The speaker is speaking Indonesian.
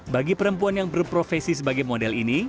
bagi perempuan yang berprofesi sebagai model ini